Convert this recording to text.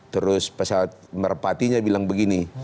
terus pesawat merpatinya bilang begini